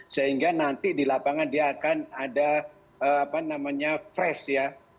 sehingga nanti di lapangan dia akan ada fresh ya